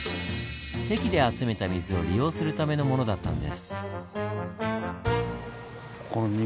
堰で集めた水を利用するためのものだったんです。